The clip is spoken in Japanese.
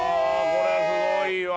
これはすごいわ。